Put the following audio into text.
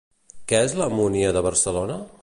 Què és la Múnia de Barcelona?